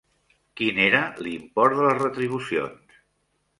Quin era l'import de les retribucions?